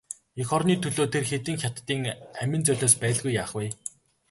Эх орны төлөө тэр хэдэн хятадын амин золиос байлгүй яах вэ?